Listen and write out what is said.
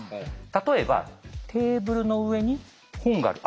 例えばテーブルの上に本がある。